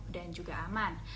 dan juga aman